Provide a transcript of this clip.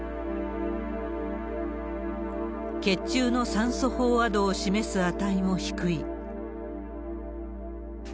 血中の酸素飽和度を示す値も低い。